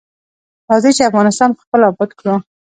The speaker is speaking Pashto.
راځی چی افغانستان پخپله اباد کړو.